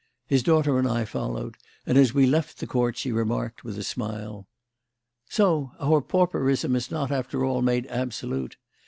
His daughter and I followed, and as we left the Court she remarked, with a smile: "So our pauperism is not, after all, made absolute.